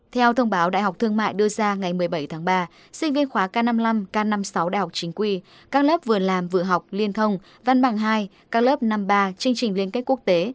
theo thông báo đại học thương mại đưa ra ngày một mươi bảy tháng ba sinh viên khóa k năm mươi năm k năm mươi sáu đhq các lớp vườn làm vựa học liên thông văn bằng hai các lớp năm ba chương trình liên kết quốc tế